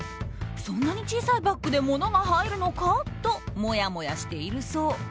そんなに小さいバッグでものが入るのかともやもやしているそう。